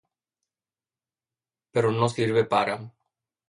pero no sirve para